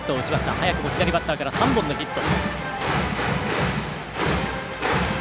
早くも左バッターから３本のヒット。